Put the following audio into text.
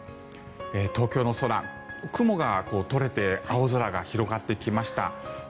東京の空、雲が取れて青空が広がってきました。